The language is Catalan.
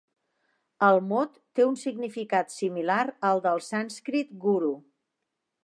El mot té un significat similar al del sànscrit 'guru'.